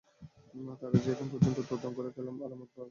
যাঁরা এখন তদন্ত করছেন, তাঁরা আলামত পেয়েছেন ভিন্ন একটি সংস্থা থেকে।